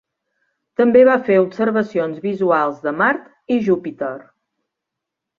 També va fer observacions visuals de Mart i Júpiter.